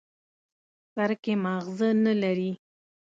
سر کې ماغزه نه لري.